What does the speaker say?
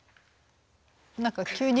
何か急に。